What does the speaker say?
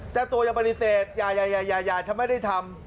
แต่ตัวอย่าบริเศษอย่าฉันไม่ได้ทำ